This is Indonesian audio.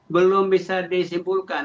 belum bisa disimpulkan